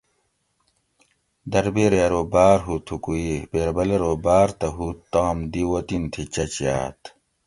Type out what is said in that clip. دربیری ارو باۤر ھو تھُکو یٔ؟ بیربل ارو باۤر تہ ھو تام دی وطن تھی چچ یاۤت